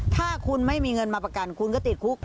ถ้าคุณไม่มีเงินมาประกันคุณก็ติดคุก